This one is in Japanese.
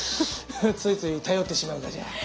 ついつい頼ってしまうがじゃ。